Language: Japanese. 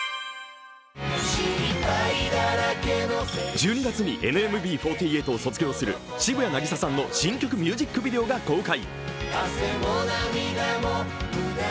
１２月にＮＭＢ４８を卒業する渋谷凪咲さんの新曲ミュージックビデオが公開。